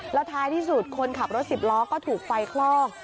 แล้วท้ายที่สุดคนขับรถสิบล้อก็ถูกไฟคลอก